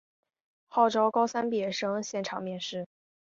号召高三毕业生现场面试